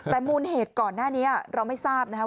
แต่มูลเหตุก่อนหน้านี้เราไม่ทราบนะครับ